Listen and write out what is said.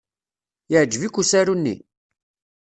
Yeɛjeb-ik usaru-nni?